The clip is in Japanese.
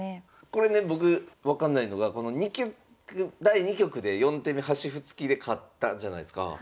これね僕分かんないのが第２局で４手目端歩突きで勝ったじゃないすか。